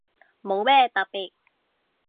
冇咩特別